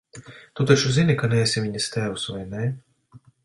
Tu taču zini, ka neesi viņas tēvs, vai ne?